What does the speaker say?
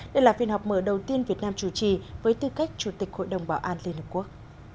đây là phiên họp mở đầu tiên việt nam chủ trì với tư cách chủ tịch hội đồng bảo an liên hợp quốc